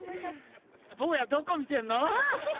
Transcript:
坊やどこ見てんの？